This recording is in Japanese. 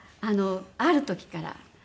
ある時から。